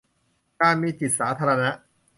การมีจิตสาธารณะ